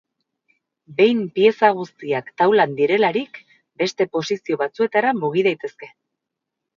Behin pieza guztiak taulan direlarik, beste posizio batzuetara mugi daitezke.